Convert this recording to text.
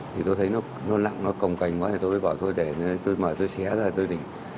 thì tôi thấy nó lặng nó cồng cành quá tôi bảo tôi để tôi mở tôi xé ra tôi định